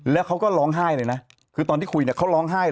แล้วเขาก็ร้องไห้เลยนะคือตอนที่คุยเนี่ยเขาร้องไห้